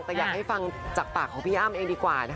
แต่อยากให้ฟังจากปากของพี่อ้ำเองดีกว่านะคะ